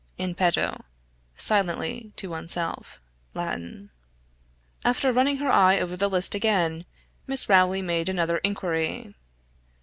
{in petto = silently, to oneself (Latin)} After running her eye over the list again, Miss Rowley made another inquiry.